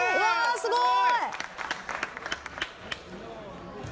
すごい。